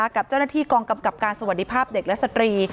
กับเจ้าหน้าที่กองกำกับการสวัสดีภาพเด็กและสตรี